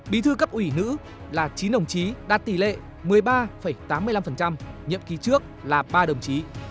bí thư cấp ủy nữ là chín đồng chí đạt tỷ lệ một mươi ba tám mươi năm nhiệm kỳ trước là ba đồng chí